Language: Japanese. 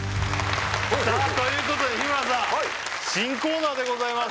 さあということで日村さん新コーナーでございます